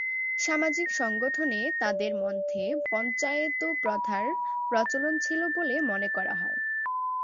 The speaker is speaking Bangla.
সামাজিক সংগঠনে তাদের মধ্যে পঞ্চায়েত প্রথার প্রচলন ছিল বলে মনে করা হয়।